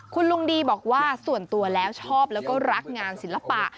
คุณลุงดีบอกว่าส่วนตัวแล้วชอบแล้วก็รักงานศิลปะ